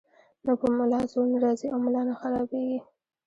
نو پۀ ملا زور نۀ راځي او ملا نۀ خرابيږي -